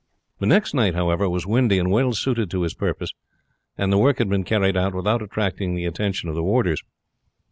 The next night, however, was windy, and well suited to his purpose, and the work had been carried out without attracting the attention of the warders.